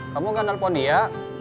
kamu gak nelfon dia